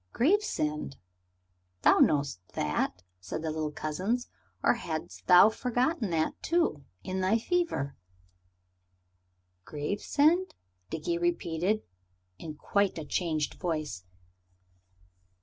"Gravesend, thou knowest that," said the little cousins, "or hadst thou forgotten that, too, in thy fever?" "Gravesend?" Dickie repeated, in quite a changed voice.